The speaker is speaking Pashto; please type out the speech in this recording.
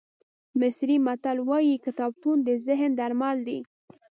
مصري متل وایي کتابتون د ذهن درمل دی.